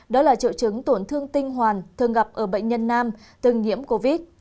đó là triệu chứng tổn thương tinh hoàn thường gặp ở bệnh nhân nam từng nhiễm covid